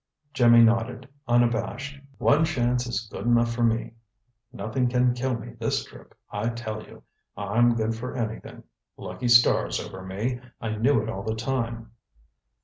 Jimmy nodded, unabashed. "One chance is good enough for me. Nothing can kill me this trip, I tell you. I'm good for anything. Lucky star's over me. I knew it all the time."